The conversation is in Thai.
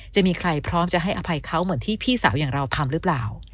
จะมีใครพร้อมจะให้อภัยเขาเหมือนที่พี่สาวอย่างเราทำหรือเปล่า